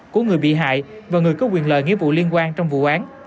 của người bị hại và người có quyền lợi nghĩa vụ liên quan trong vụ án